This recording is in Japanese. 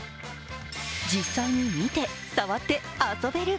実際に見て、触って、遊べる。